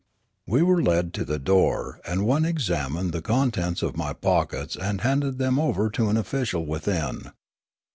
We were led to the door, and one examined the con tents of my pockets and handed them over to an official within.